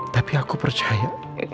tapi aku percaya